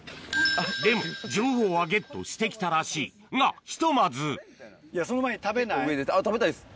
でも情報はゲットしてきたらしいがひとまず食べたいです。